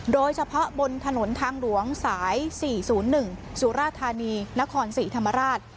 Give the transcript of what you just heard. โดยเฉพาะบนถนนทางหลวงสาย๔๐๑สุราธานีนครศรีธรรมราช